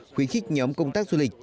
khuyến khích nhóm công tác du lịch